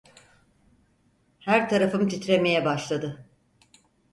Her tarafım titremeye başladı.